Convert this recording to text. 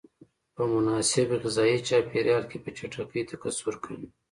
په مناسب غذایي چاپیریال کې په چټکۍ تکثر کوي.